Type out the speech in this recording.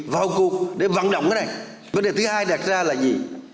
vấn đề thứ hai đặt ra là gì